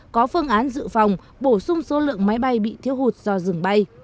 có phương án dự phòng bổ sung số lượng máy bay bị thiếu hụt do dừng bay